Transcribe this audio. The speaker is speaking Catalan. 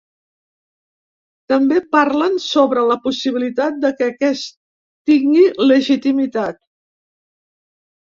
També parlen sobre la possibilitat de que aquest tingui legitimitat.